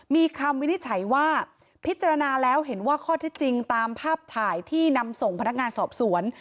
มีคำวินิจฉัยว่าพิจารณาแล้วเห็นว่าข้อที่จริงตามภาพถ่ายที่นำส่งพนักงานสอบสวน